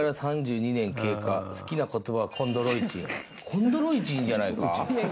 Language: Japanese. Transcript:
コンドロイチンじゃないか？